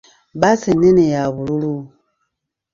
Bbaasi ennene ya bululu.